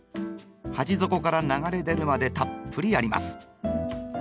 鉢底から流れ出るまでたっぷりやります。